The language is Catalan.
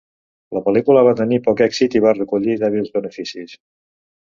La pel·lícula va tenir poc èxit i va recollir dèbils beneficis.